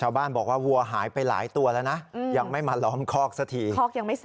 หรือบางทีถ้ายังไม่ทำมันอาจมีคนตาย